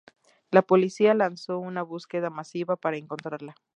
La Policía lanzó una búsqueda masiva para encontrarla.